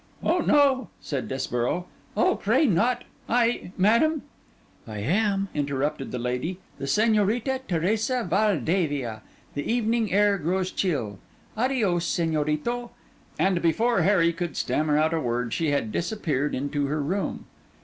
'Oh no,' said Desborough. 'Oh pray not! I—madam—' 'I am,' interrupted the lady, 'the Señorita Teresa Valdevia. The evening air grows chill. Adios, Señorito.' And before Harry could stammer out a word, she had disappeared into her room.